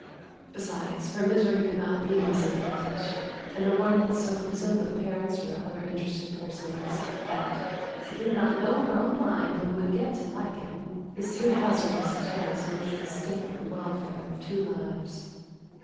Besides, her misery could not be his advantage, and the worn out sophism of parents or other interested persons, that "she did not know her own mind, and would get to like him," is too hazardous a chance on which to stake the welfare of two lives.